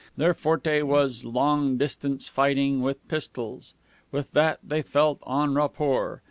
Their forte was long range fighting with pistols. With that they felt en rapport.